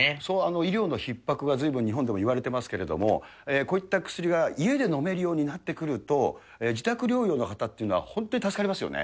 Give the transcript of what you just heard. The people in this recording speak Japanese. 医療のひっ迫がずいぶん日本でもいわれてますけれども、こういった薬が家で飲めるようになってくると、自宅療養の方っていうのは、本当に助かりますよね。